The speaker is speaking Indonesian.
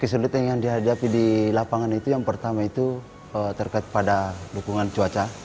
kesulitan yang dihadapi di lapangan itu yang pertama itu terkait pada dukungan cuaca